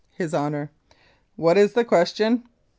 HIS HONOUR: What is the question?